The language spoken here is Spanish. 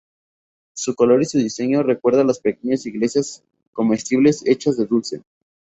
Su color y diseño recuerda a las pequeñas iglesias comestibles hechas de dulce.